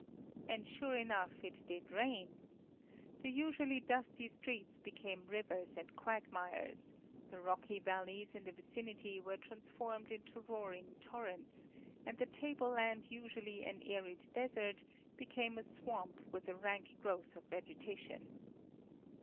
And sure enough it did rain. The usually dusty streets became rivers and quagmires, the rocky valleys in the vicinity were transformed into roaring torrents, and the table land usually an arid desert became a swamp with a rank growth of vegetation.